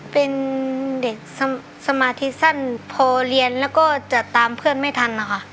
เป็นเด็กสมาธิสั้นพอเรียนแล้วก็จะตามเพื่อนไม่ทันนะคะ